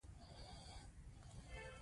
زما د پلار خبرې لکه ښایست دستورو